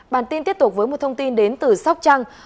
bản tin tiếp tục với một thông tin đến từ sóc trăng